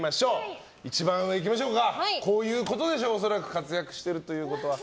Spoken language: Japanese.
一番上、こういうことでしょう恐らく活躍してるということは。